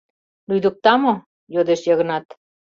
— Лӱдыкта мо? — йодеш Йыгнат.